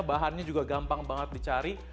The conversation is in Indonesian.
bahannya juga gampang banget dicari